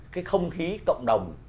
cái không khí cộng đồng